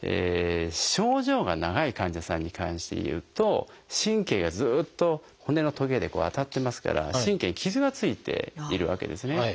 症状が長い患者さんに関して言うと神経がずっと骨のトゲで当たってますから神経に傷がついているわけですね。